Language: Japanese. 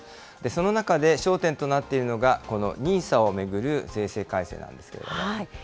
その中で、焦点となっているのがこのＮＩＳＡを巡る税制改正なんですけれども。